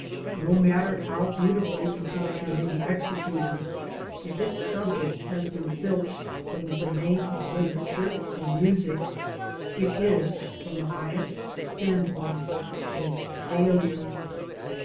No matter how beautifully a picture may be executed, if its subject has been filched from the domain of literature or music, it is, from the highest standpoint, a failure.